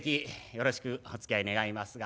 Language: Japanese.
よろしくおつきあい願いますが。